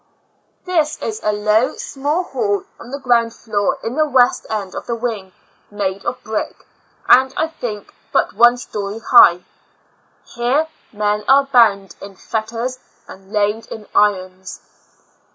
This is a low small hall, on the ground floor, in the west end of the wino^, made of brick, and, I think, but one story high. Here men are bound in fetters and laid in irons